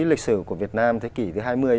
lịch sử của việt nam thế kỷ thứ hai mươi